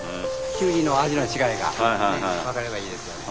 キュウリの味の違いが分かればいいですよね。